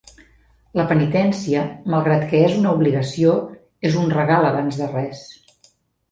La penitència, malgrat que és una obligació, és un regal abans de res.